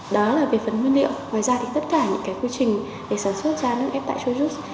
đó là về phần nguyên liệu ngoài ra thì tất cả những cái quy trình để sản xuất ra nước ép tại chujust